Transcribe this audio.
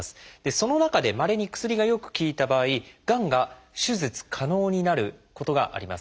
その中でまれに薬がよく効いた場合がんが手術可能になることがあります。